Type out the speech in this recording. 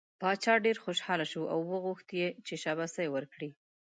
باچا ډېر خوشحاله شو او وغوښت یې چې شاباسی ورکړي.